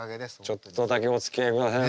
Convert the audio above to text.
ちょっとだけおつきあいくださいませ。